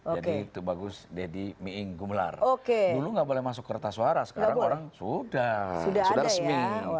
jadi itu bagus deddy miing gumelar dulu gak boleh masuk ke retas suara sekarang orang sudah sudah resmi